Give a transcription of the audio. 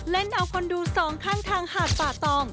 เอาคนดูสองข้างทางหาดป่าตอง